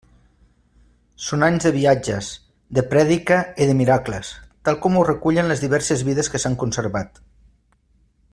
Són anys de viatges, de prèdica i de miracles, tal com ho recullen les diverses vides que s'han conservat.